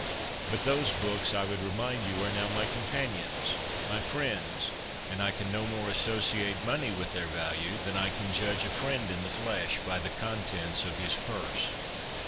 But those books, I would remind you, are now my companions, my friends, and I can no more associate money with their value than I can judge a friend in the flesh by the contents of his purse.